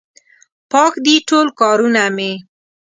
پاک دي ټول کارونه مې